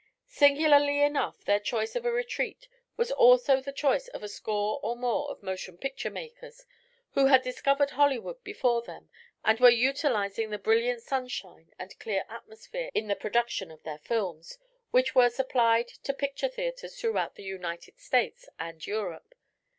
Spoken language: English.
Singularly enough, their choice of a retreat was also the choice of a score or more of motion picture makers, who had discovered Hollywood before them and were utilizing the brilliant sunshine and clear atmosphere in the production of their films, which were supplied to picture theatres throughout the United States and Europe.